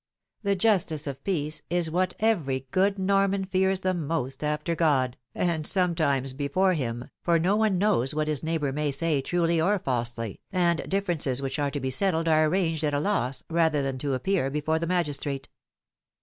The Justice of Peace is what every good Norman fears the most after God, and sometimes before Him, for no one knows what his neighbor may say truly or falsely, and differences which are to be settled are arranged at a loss rather than to appear before the magistrate.